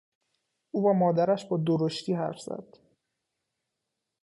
او با مادرش با درشتی حرف زد.